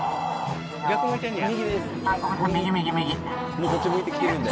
もうこっち向いてきてるんで。